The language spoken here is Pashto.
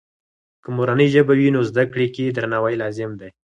که مورنۍ ژبه وي، نو زده کړې کې درناوی لازم دی.